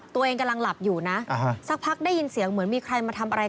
ตัวเองกำลังหลับอยู่นะสักพักได้ยินเสียงเหมือนมีใครมาทำอะไร